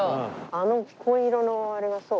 あの紺色のあれがそう？